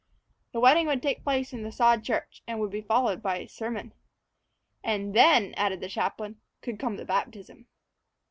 The wedding would take place in the sod church, and would be followed by a sermon. "And then," added the chaplain, "could come the baptism."